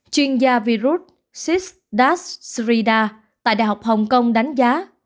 chuyên gia virus siddharth sridhar tại đại học hong kong đánh giá